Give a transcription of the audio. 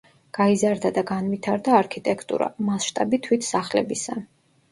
გაიზარდა და განვითარდა არქიტექტურა, მასშტაბი თვით სახლებისა.